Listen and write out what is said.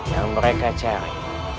yang mereka cari